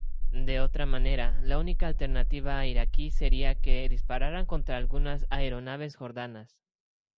De otra manera, la única alternativa iraquí sería que dispararan contra algunas aeronaves jordanas.